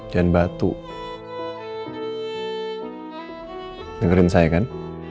dengerin saya kan